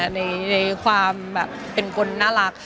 ในความแบบเป็นคนน่ารัก